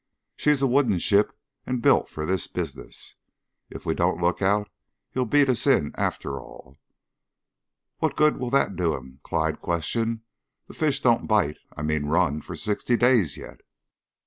"She's a wooden ship, and built for this business. If we don't look out he'll beat us in, after all." "What good will that do him?" Clyde questioned. "The fish don't bite I mean run for sixty days yet."